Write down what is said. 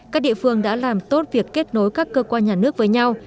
các địa phương đã làm tốt việc kết nối các cơ quan nhà nước với nhau